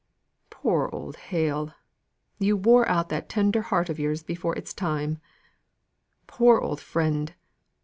Poor old Hale! You wore out that tender heart of yours before its time. Poor old friend!